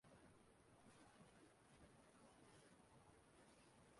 maka ugbua na ọdịnihu.